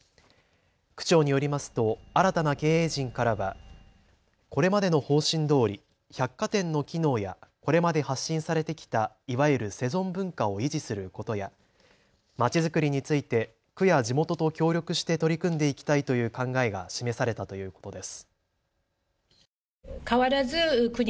区長によりますと新たな経営陣からはこれまでの方針どおり百貨店の機能やこれまで発信されてきたいわゆるセゾン文化を維持することやまちづくりについて区や地元と協力して取り組んでいきたいという考えが示されたということです。